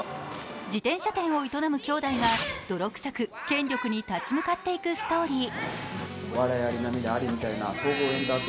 自転車店を営むきょうだいが、泥臭く権力に立ち向かっていくストーリー